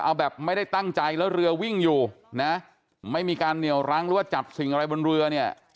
เอาแบบไม่ได้ตั้งใจแล้วเรือวิ่งอยู่นะไม่มีการเหนียวรั้งหรือว่าจับสิ่งอะไรบนเรือเนี่ย